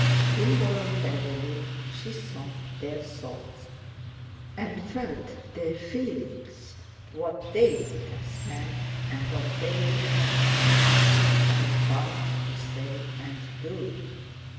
Involuntarily she thought their thoughts and felt their feelings. What they would have said and what they would have done she felt bound to say and do.